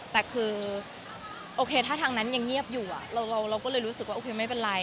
แต่คือโอเคถ้าทางนั้นยังเงียบอยู่เราก็เลยรู้สึกว่าโอเคไม่เป็นไร